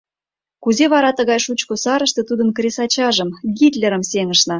Кузе вара тыгай шучко сарыште тудын кресачажым — Гитлерым сеҥышна?»